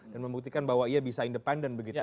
dan membuktikan bahwa ia bisa independen begitu